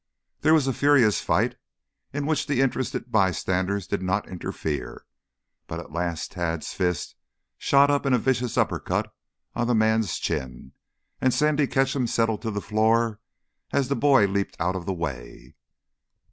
There was a furious fight, in which the interested bystanders did not interfere. But at last Tad's fist shot up in a vicious uppercut on the man's chin, and Sandy Ketcham settled to the floor as the boy leaped out of the way.